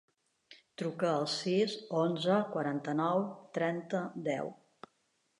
Truca al sis, onze, quaranta-nou, trenta, deu.